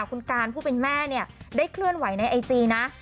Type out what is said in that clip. คุณการผู้เป็นแม่เนี่ยได้เคลื่อนไหวในไอจีนะ